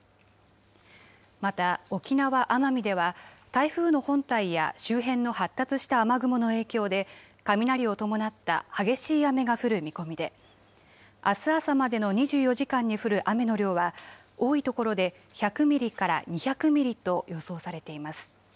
また沖縄・奄美では、台風の本体や周辺の発達した雨雲の影響で、雷を伴った激しい雨が降る見込みで、あす朝までの２４時間に降る雨の量は多い所で１００ミリから２００ミリと予想されています。